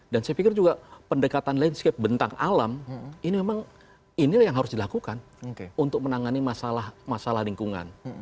dan saya pikir juga pendekatan landscape bentang alam ini memang inilah yang harus dilakukan untuk menangani masalah lingkungan